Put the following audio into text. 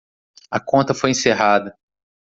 A conta foi encerrada.